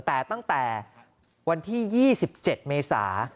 แต่ตั้งแต่วันที่๒๗เมษา